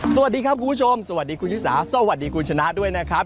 สวัสดีครับคุณผู้ชมสวัสดีคุณชิสาสวัสดีคุณชนะด้วยนะครับ